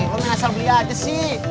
lu minasal beli aja sih